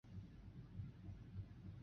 塞舍普雷人口变化图示